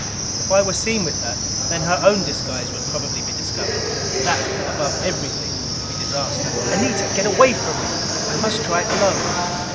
If I were seen with her, then her own disguise would probably be discovered. That above everything, would be disaster. "Anita, get away from me! I must try it alone!"